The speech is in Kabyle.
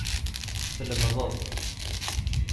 Tlemdeḍ.